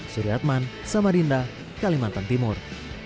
surya atman samarinda kalimantan timur